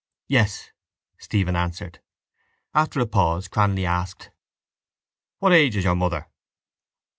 —Yes, Stephen answered. After a pause Cranly asked: —What age is your mother?